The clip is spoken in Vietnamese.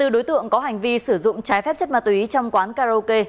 hai mươi đối tượng có hành vi sử dụng trái phép chất ma túy trong quán karaoke